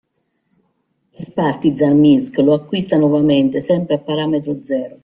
Il Partizan Minsk lo acquista nuovamente, sempre a parametro zero.